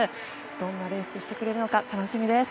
どんなレースをしてくれるのか楽しみです。